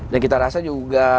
dan kita rasa juga